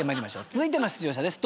続いての出場者です。